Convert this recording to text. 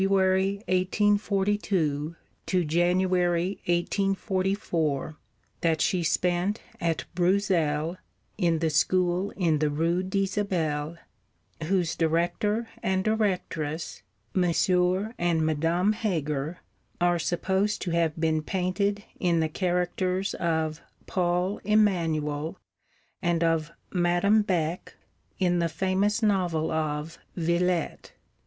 1842 to Jan. 1844) that she spent at Bruxelles, in the school in the Rue d'Isabelle, whose Director and Directress, Monsieur and Madame Heger, are supposed to have been painted in the characters of 'Paul Emanuel' and of 'Madame Beck,' in the famous novel of Villette.